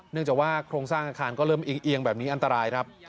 จากว่าโครงสร้างอาคารก็เริ่มอิงเอียงแบบนี้อันตรายครับ